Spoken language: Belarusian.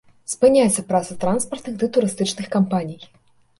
Спыняецца праца транспартных ды турыстычных кампаній.